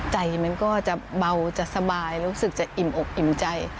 ใจมันก็จะเบาจะสบายรู้สึกจะอิ่มอกอิ่มใจ